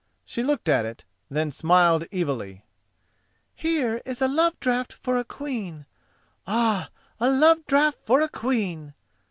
She looked at it, then smiled evilly. "Here is a love draught for a queen—ah, a love draught for a queen!"